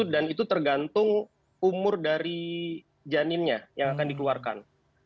dan itu tergantung umur dari janinnya yang akan dikeluarkan